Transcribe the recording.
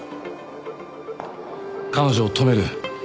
彼女を止める。